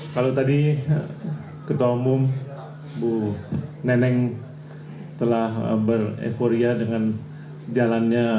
kalau tadi ketua umum bu neneng telah bereporia dengan jalannya